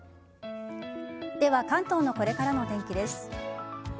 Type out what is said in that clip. では関東のこれからのお天気です。